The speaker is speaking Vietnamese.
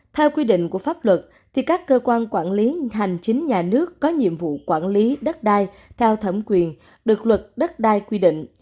theo quy định của pháp luật các cơ quan quản lý hành chính nhà nước có nhiệm vụ quản lý đất đai theo thẩm quyền được luật đất đai quy định